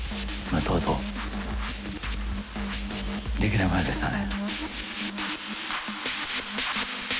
とうとうできないままでしたね。